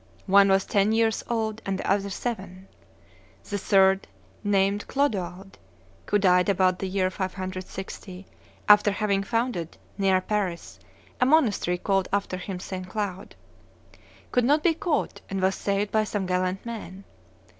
One was ten years old and the other seven. The third, named Clodoald (who died about the year 560, after having founded, near Paris, a monastery called after him St. Cloud), could not be caught, and was saved by some gallant men.